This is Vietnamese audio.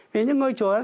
vì những ngôi chùa đó